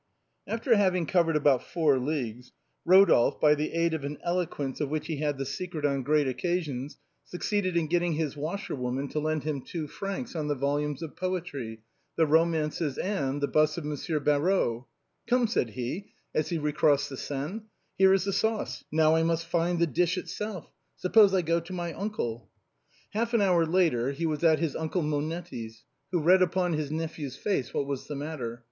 After having covered about four leagues Eodolphe, by the aid of an eloquence of which he had the secret on great occasions, succeeded in getting his washerwoman to lend him two francs on the volumes of poetry, the romances and the bust of Monsieur Barrot." " Come," said he, as he recrossed the Seine, " here is the sauce, now I must find the dish itself. Suppose I go to my uncle." Half an hour later he was at his Uncle Monetti's, who read upon his nephew's face what was the matter.